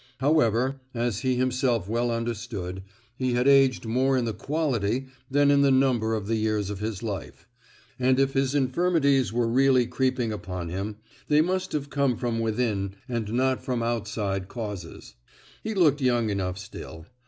However, as he himself well understood, he had aged more in the quality than in the number of the years of his life; and if his infirmities were really creeping upon him, they must have come from within and not from outside causes. He looked young enough still.